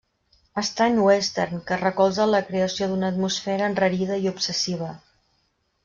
Estrany western que es recolza en la creació d'una atmosfera enrarida i obsessiva.